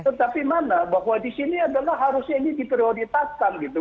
tetapi mana bahwa di sini adalah harusnya ini diprioritaskan gitu